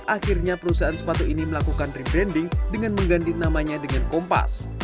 akhirnya perusahaan sepatu ini melakukan rebranding dengan mengganti namanya dengan kompas